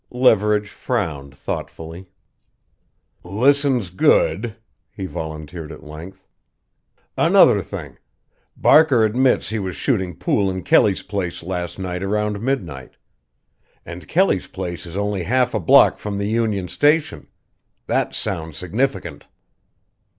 Leverage frowned thoughtfully. "Listens good," he volunteered at length. "Another thing Barker admits he was shooting pool in Kelly's place last night around midnight; and Kelly's place is only half a block from the Union Station. That sounds significant!"